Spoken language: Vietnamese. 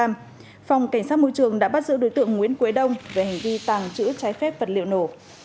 phòng cảnh sát môi trường đã bắt giữ đối tượng nguyễn quế đông về hành vi tàng trữ trái phép vật liệu nổ